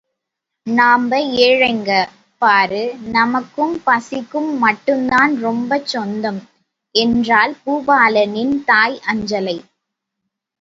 நாம்ப ஏழைங்க பாரு நமக்கும் பசிக்கும் மட்டும்தான் ரொம்பச் சொந்தம் என்றாள் பூபாலனின் தாய் அஞ்சலை.